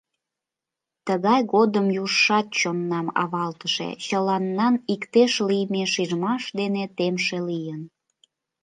Тыгай годым южшат чоннам авалтыше, чыланнан иктеш лийме шижмаш дене темше лийын!